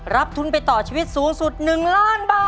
ทุนไปต่อชีวิตสูงสุด๑ล้านบาท